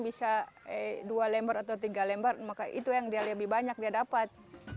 bisa dua lembar atau tiga lembar maka itu yang dia lebih banyak dia dapat